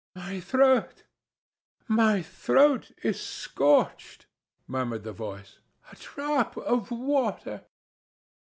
"My throat! My throat is scorched," murmured the voice. "A drop of water!"